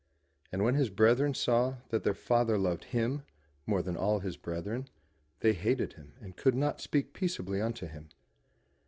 And when his brethren saw that their father loved him more than all his brethren, they hated him and could not speak peaceably unto him.